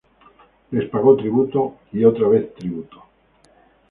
Les pagó tributo y otra vez tributo.